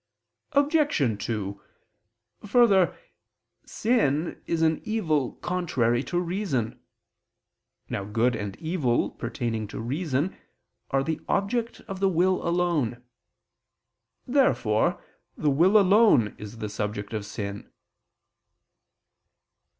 Obj. 2: Further, sin is an evil contrary to reason. Now good and evil pertaining to reason are the object of the will alone. Therefore the will alone is the subject of sin.